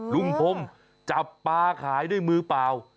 ลุงพลจับปลาขายด้วยมือเปล่า